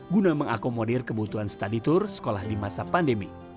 guna mengakomodir kebutuhan study tour sekolah di masa pandemi